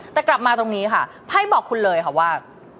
แต่กลับมาตรงนี้ค่ะไพ่บอกคุณเลยค่ะว่า